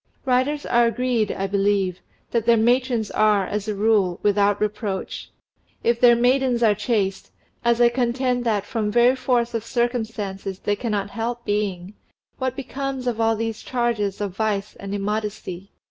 Writers are agreed, I believe, that their matrons are, as a rule, without reproach. If their maidens are chaste, as I contend that from very force of circumstances they cannot help being, what becomes of all these charges of vice and immodesty?